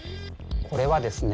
これはですね